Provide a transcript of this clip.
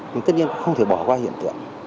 nhưng tất nhiên cũng không thể bỏ qua hiện tượng